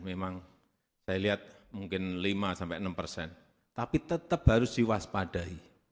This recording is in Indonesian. memang saya lihat mungkin lima enam persen tapi tetap harus diwaspadai